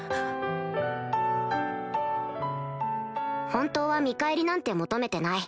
本当は見返りなんて求めてない